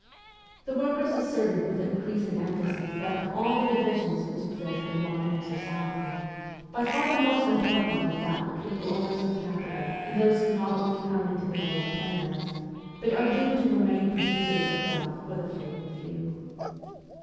The workers asserted with increasing empha sis that of all the divisions which exist in modern society by far the most important is that between the owners of capital and those who not only come into the world penniless, but are doomed to remain pro ducers of wealth for the favoured few.